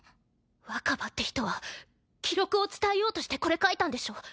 若葉って人は記録を伝えようとしてこれ書いたんでしょ？